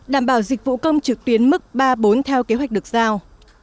đảm bảo dịch vụ công trực tuyến mức ba bốn theo kế hoạch được giao